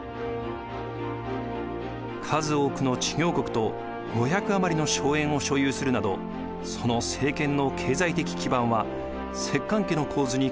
数多くの知行国と５００余りの荘園を所有するなどその政権の経済的基盤は摂関家の構図に酷似していました。